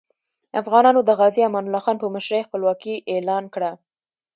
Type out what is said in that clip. افغانانو د غازي امان الله خان په مشرۍ خپلواکي اعلان کړه.